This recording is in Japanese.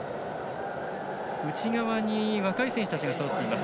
内側に若い選手たちがそろっています。